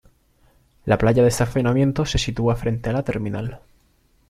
La playa de estacionamiento se sitúa frente a la terminal.